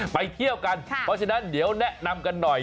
ไปเที่ยวกันเพราะฉะนั้นเดี๋ยวแนะนำกันหน่อย